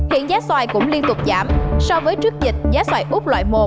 hiện giá xoài cũng liên tục giảm so với trước dịch giá xoài úp loại một